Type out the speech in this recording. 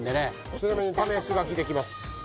ちなみに試し書きできます